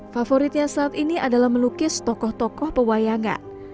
favoritnya saat ini adalah melukis tokoh tokoh pewayangan